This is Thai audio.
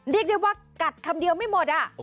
เรียกได้ว่ากัดคำเดียวไม่หมด